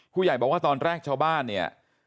ผู้ใหญ่บอกว่าตอนแรกชาวบ้านเนี่ย